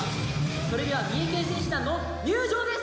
・それでは三重県選手団の入場です・